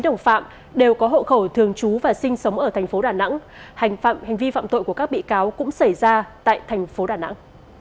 nếu có hậu khẩu thường trú và sinh sống ở thành phố đà nẵng hành vi phạm tội của các bị cáo cũng xảy ra tại thành phố đà nẵng